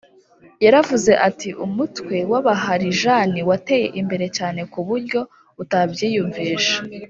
yaravuze ati “umutwe w’abaharijani wateye imbere cyane ku buryo utabyiyumvisha.